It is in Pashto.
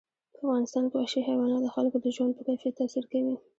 په افغانستان کې وحشي حیوانات د خلکو د ژوند په کیفیت تاثیر کوي.